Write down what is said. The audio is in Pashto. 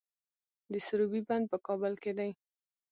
د سروبي بند په کابل کې دی